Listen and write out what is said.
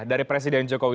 dari presiden jokowi